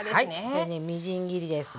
これねみじん切りですね。